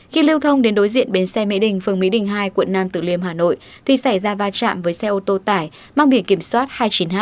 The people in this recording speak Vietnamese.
khi lưu thông đến đối diện bến xe mỹ đình phường mỹ đình hai quận nam tỷ liêm hà nội thì xảy ra va chạm với xe ô tô tải mang biển kiểm soát hai mươi chín h bảy mươi nghìn hai trăm ba mươi bốn